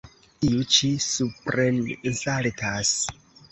Tiu ĉi suprensaltas.